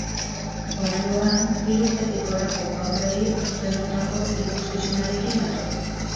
Oraingoan, hiru urtetik gorako haurrei zuzendutako ikuskizunarekin dator.